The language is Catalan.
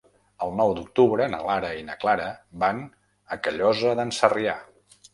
El nou d'octubre na Lara i na Clara van a Callosa d'en Sarrià.